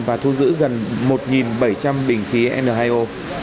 và thu giữ gần một bảy trăm linh bình khí n hai o